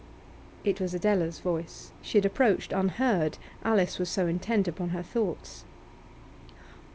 It was Adela's voice. She had approached unheard; Alice was so intent upon her thoughts.